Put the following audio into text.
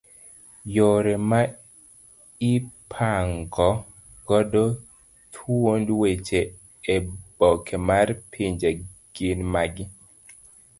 Yore ma ipango godo thuond weche eoboke mar penjo gin magi